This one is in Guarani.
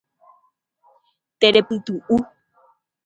Terepytu'u